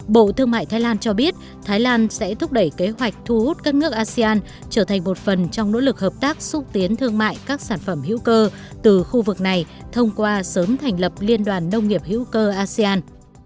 bộ thương mại thái lan cho biết thái lan sẽ thúc đẩy kế hoạch thu hút các nước asean trở thành một phần trong nỗ lực hợp tác xúc tiến thương mại các sản phẩm hữu cơ từ khu vực này thông qua sớm thành lập liên đoàn nông nghiệp hữu cơ asean